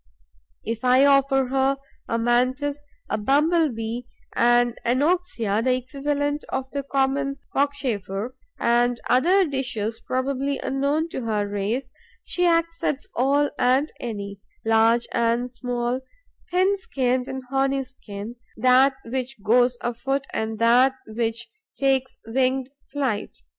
If I offer her a Mantis, a Bumble bee, an Anoxia the equivalent of the common Cockchafer and other dishes probably unknown to her race, she accepts all and any, large and small, thin skinned and horny skinned, that which goes afoot and that which takes winged flight.